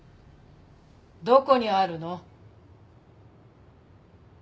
どこにあるの？